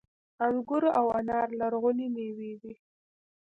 انګور او انار لرغونې میوې دي